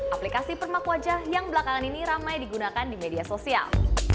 aplikasi permak wajah yang belakangan ini ramai digunakan di media sosial